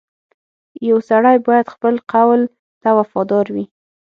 • یو سړی باید خپل قول ته وفادار وي.